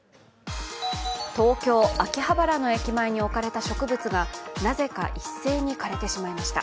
東京・秋葉原の駅前に置かれた植物がなぜか一斉に枯れてしまいました。